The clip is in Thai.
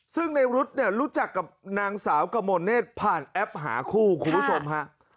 ซึ่งในรุ๊ดเนี่ยรู้จักกับนางสาวกมลเนธผ่านแอปหาคู่คุณผู้ชมฮะ